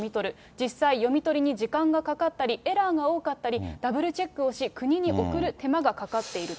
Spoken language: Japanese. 実際、読み取りに時間がかかったり、エラーが多かったり、ダブルチェックをし、国に送る手間がかかっていると。